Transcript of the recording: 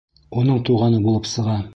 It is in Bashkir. Уның туғаны булып сыға.